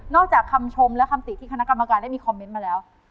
จากคำชมและคำติที่คณะกรรมการได้มีคอมเมนต์มาแล้ว